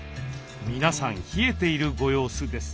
皆さん冷えているご様子です。